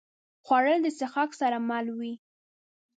خوړل د څښاک سره مل وي